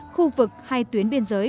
khu vực hai tuyến biên giới